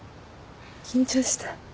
緊張した。